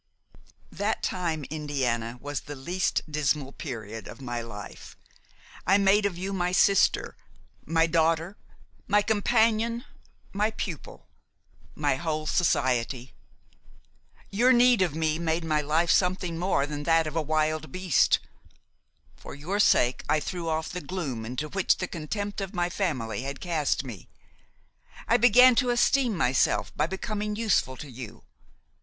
"That time, Indiana, was the least dismal period of my life. I made of you my sister, my daughter, my companion, my pupil, my whole society. Your need of me made my life something more than that of a wild beast; for your sake I threw off the gloom into which the contempt of my own family had cast me. I began to esteem myself by becoming useful to you.